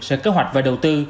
sở kế hoạch và đầu tư